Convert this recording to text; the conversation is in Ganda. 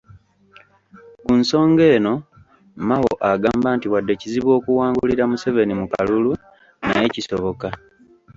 Ku nsonga eno, Mao agamba nti wadde kizibu okuwangulira Museveni mu kalulu naye kisoboka.